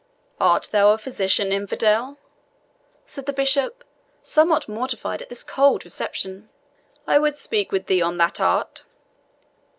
"Art thou a physician, infidel?" said the bishop, somewhat mortified at this cold reception. "I would speak with thee on that art."